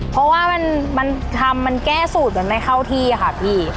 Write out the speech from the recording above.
เพราะว่ามันทำมันแก้สูตรมันไม่เข้าที่ค่ะพี่